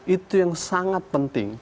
itu yang sangat penting